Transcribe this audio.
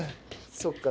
そっか。